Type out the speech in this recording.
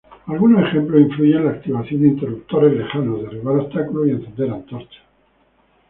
Algunos ejemplos incluyen la activación de interruptores lejanos, derribar obstáculos, y encender antorchas.